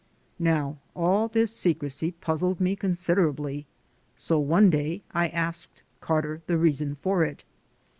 Now all this secrecy puzzled me considerably, so one day I asked Carter the reason for it.